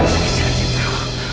jangan jangan dia tahu